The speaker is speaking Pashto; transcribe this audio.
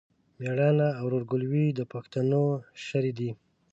مېړانه او ورورګلوي د پښتنو شری دی.